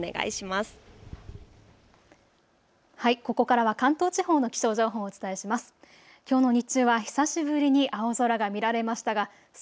ここからは関東地方の気象情報、お伝えします。